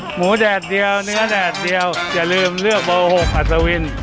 หมูแดดเดียวเนื้อแดดเดียวอย่าลืมพวกโบโหคอาชาวิน